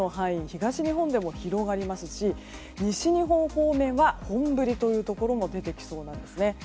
東日本でも広がりますし西日本方面は本降りというところも出てきそうなんですね。